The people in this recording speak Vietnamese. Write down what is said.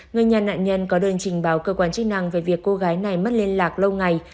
người nhà nạn nhân có đơn trình báo cơ quan chức năng về việc cô gái này mất liên lạc lâu ngày